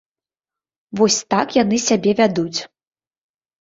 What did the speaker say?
Вось так яны сябе вядуць.